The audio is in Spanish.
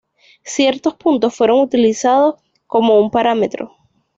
Ciertos puntos fueron utilizados como un parámetro.